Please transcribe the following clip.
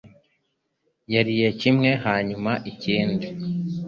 Yariye kimwe hanyuma ikindi